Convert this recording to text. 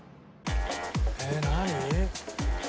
えっ何？